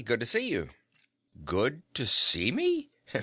Good to see you." "Good to see me?